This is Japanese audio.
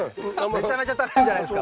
めちゃめちゃ食べるじゃないですか。